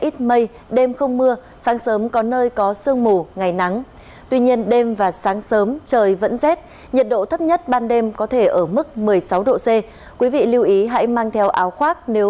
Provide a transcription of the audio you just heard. các bạn hãy đăng ký kênh để ủng hộ kênh của chúng mình nhé